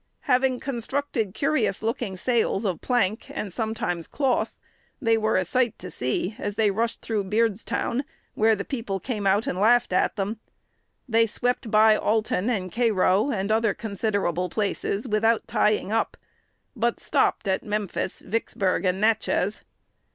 Having constructed curious looking sails of plank, "and sometimes cloth," they were a "sight to see," as they "rushed through Beardstown," where "the people came out and laughed at them." They swept by Alton and Cairo, and other considerable places, without tying up, but stopped at Memphis, Vicksburg, and Natchez.